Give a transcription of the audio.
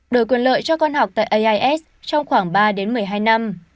đổi quyền lợi cho con học tại ais trong khoảng ba đến một mươi hai năm